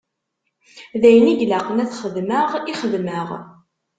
D ayen i ilaqen ad t-xedmeɣ, i xedmeɣ.